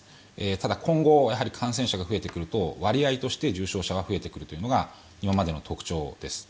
ただ、今後やはり感染者が増えてくると割合として重症者が増えてくるというのが今までの特徴です。